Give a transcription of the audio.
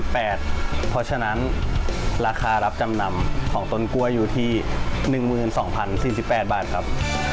เพราะฉะนั้นราคารับจำนำของต้นกล้วยอยู่ที่๑๒๐๔๘บาทครับ